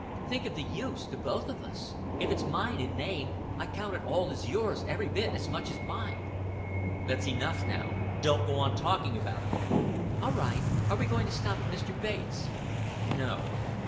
Think of the use to both of us. If it's mine in name, I count it all as yours every bit as much as mine." "That's enough now. Don't go on talking about it." "All right. Are you going to stop at Mr. Bates'?" "No."